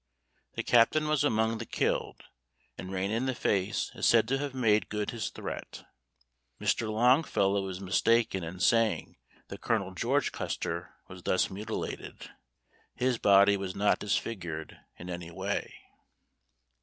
The Captain was among the killed, and Rain in the Face is said to have made good his threat. Mr. Longfellow is mistaken in saying that Colonel George Custer was thus mutilated. His body was not disfigured in any way.